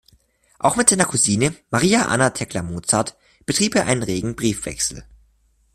Auch mit seiner Cousine, Maria Anna Thekla Mozart, betrieb er einen regen Briefwechsel.